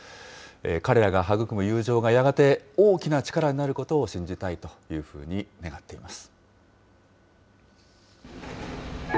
彼らが育む友情が、やがて大きな力になることを信じたいというふうに願っています。